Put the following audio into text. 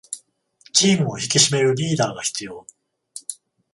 チームを引き締めるリーダーが必要